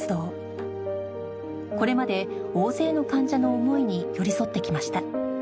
これまで大勢の患者の思いに寄り添ってきました